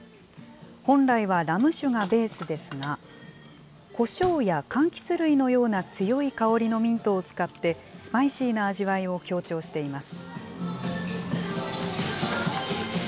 本来はラム酒がベースですが、こしょうやかんきつ類のような強い香りのミントを使って、スパイシーな味わいを強調しています。